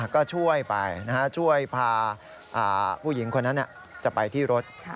ก็ช่วยไปช่วยพาผู้หญิงคนนั้นจะไปที่รถ